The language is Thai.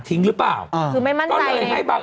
ทิ้งหรือเปล่า